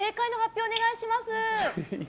正解の発表をお願いします。